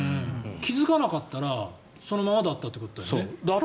気付かなかったらそのままだったということだよね。